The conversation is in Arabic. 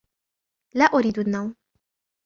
لا أريد النوم